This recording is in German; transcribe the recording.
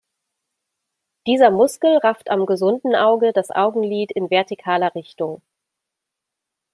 Dieser Muskel rafft am gesunden Auge das Augenlid in vertikaler Richtung.